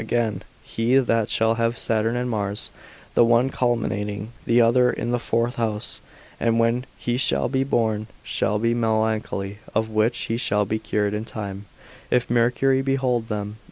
Again, He that shall have Saturn and Mars, the one culminating, the other in the fourth house, when he shall be born, shall be melancholy, of which he shall be cured in time, if Mercury behold them.